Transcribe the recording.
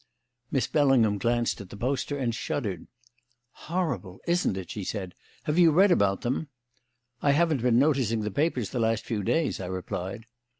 Miss Bellingham glanced at the poster and shuddered. "Horrible! Isn't it?" she said. "Have you read about them?" "I haven't been noticing the papers the last few, days," I replied.